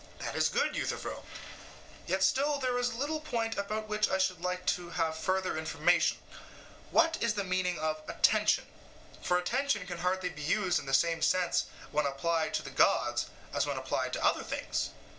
SOCRATES: That is good, Euthyphro; yet still there is a little point about which I should like to have further information, What is the meaning of 'attention'? For attention can hardly be used in the same sense when applied to the gods as when applied to other things.